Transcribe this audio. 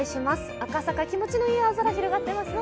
赤坂、気持ちのいい青空が広がっていますね。